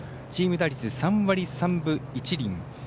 チーム打率３割３分１厘。